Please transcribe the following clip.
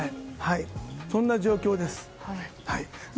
そんな状況です。